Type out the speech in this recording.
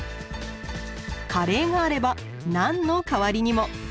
カレーがあればナンの代わりにも。